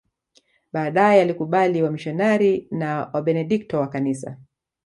Baadae alikubali wamisionari na Wabenedikto wa kanisa